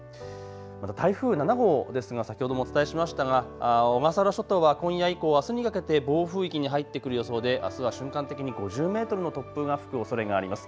また台風７号ですが先ほどもお伝えしましたが小笠原諸島は今夜以降あすにかけて暴風域に入ってくる予想で、あすは瞬間的に５０メートルの突風が吹くおそれがあります。